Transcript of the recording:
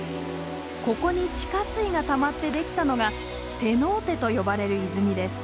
ここに地下水がたまってできたのが「セノーテ」と呼ばれる泉です。